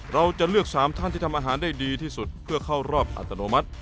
เราจะเลือก๓ท่านที่ทำอาหารได้ดีที่สุดเพื่อเข้ารอบอัตโนมัติ